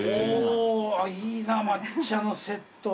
いいな抹茶のセット。